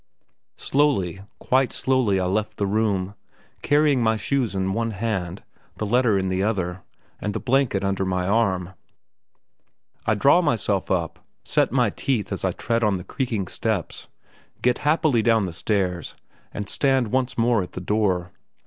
Slowly, quite slowly I left the room, carrying my shoes in one hand, the letter in the other, and the blanket under my arm. I draw myself up, set my teeth as I tread on the creaking steps, get happily down the stairs, and stand once more at the door.